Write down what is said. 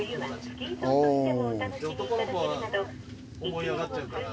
男の子は思い上がっちゃうから。